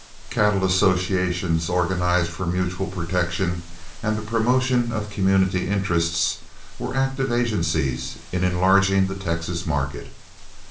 Cattle associations, organized for mutual protection and the promotion of community interests, were active agencies in enlarging the Texas market.